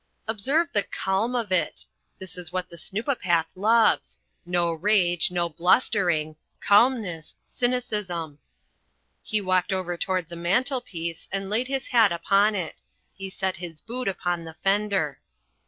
Observe the calm of it. This is what the snoopopath loves no rage, no blustering calmness, cynicism. He walked over towards the mantelpiece and laid his hat upon it. He set his boot upon the fender.